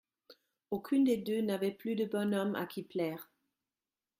Aucune des deux n’avait plus de bonhomme à qui plaire.